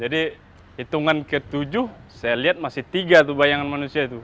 jadi hitungan ke tujuh saya lihat masih tiga tuh bayangan manusia itu